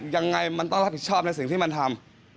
ยังไงมันต้องรับผิดชอบในสิ่งที่มันทำ